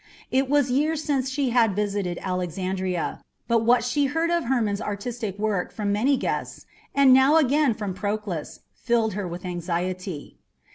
It was years since she had visited Alexandria, but what she heard of Hermon's artistic work from many guests, and now again through Proclus, filled her with anxiety.